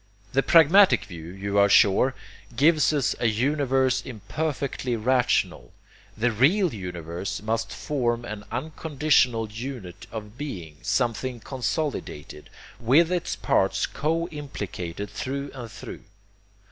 The pragmatic view, you are sure, gives us a universe imperfectly rational. The real universe must form an unconditional unit of being, something consolidated, with its parts co implicated through and through.